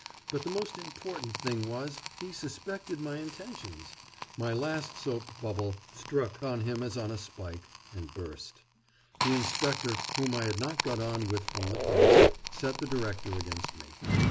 But the most important thing was, he suspected my intentions; my last soap bubble struck on him as on a spike, and burst. The inspector, whom I had not got on with from the first, set the director against me.